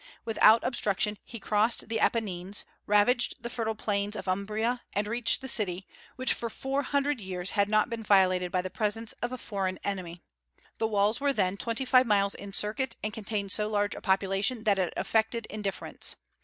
Without obstruction he crossed the Apennines, ravaged the fertile plains of Umbria, and reached the city, which for four hundred years had not been violated by the presence of a foreign enemy. The walls were then twenty five miles in circuit, and contained so large a population that it affected indifference.